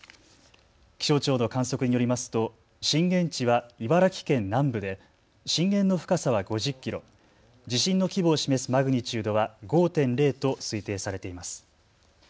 気象庁の観測によりますと震源地は茨城県南部で震源の深さは５０キロ、地震の規模を示すマグニチュードは５．０と推定されています。